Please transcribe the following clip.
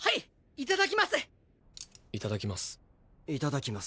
いただきます。